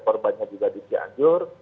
korbannya juga di cianjur